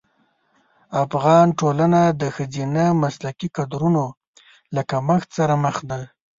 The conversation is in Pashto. افغان ټولنه د ښځینه مسلکي کدرونو له کمښت سره مخ ده.